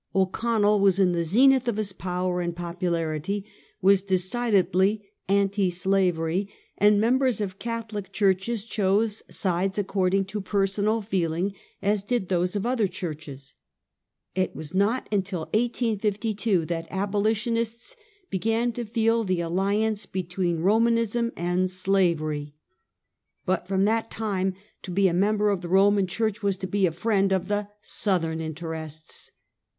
O'Connell was in the zenith of his power and popularity, was decidedly anti slavery, and mem bers of Catholic churches chose sides according to per sonal feeling, as did those of other churches. It was not until 1852, that abolitionists began to feel the alli ance between Romanism and slavery; but from that time, to be a member of the Roman church was to be a friend of " Southern interests."